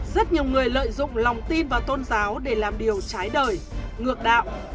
rất nhiều người lợi dụng lòng tin vào tôn giáo để làm điều trái đời ngược đạo